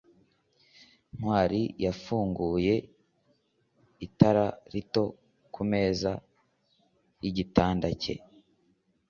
ntwali yafunguye itara rito kumeza yigitanda cye